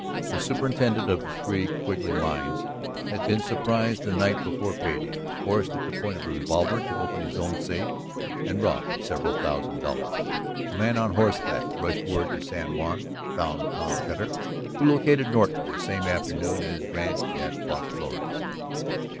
The superintendent of the three Quigley mines had been surprised the night before pay day, forced at the point of a revolver to open his own safe, and robbed of several thousand dollars. A man on horseback rushed word to San Juan, found Tom Cutter, who located Norton the same afternoon at his ranch at Las Flores.